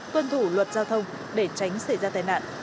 quân thủ luật giao thông để tránh xảy ra tài nạn